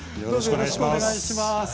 よろしくお願いします。